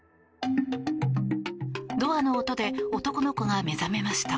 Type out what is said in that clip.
ドアの音で男の子が目覚めました